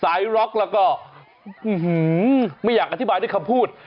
ล็อกแล้วก็ไม่อยากอธิบายด้วยคำพูด